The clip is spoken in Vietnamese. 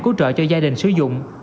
cứu trợ cho gia đình sử dụng